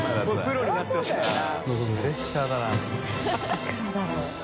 いくらだろう？